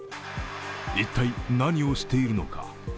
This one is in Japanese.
一体、何をしているのか。